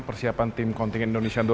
persiapan tim kontingen indonesia